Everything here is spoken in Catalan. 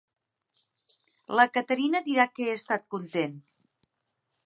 La Caterina et dirà que he estat content.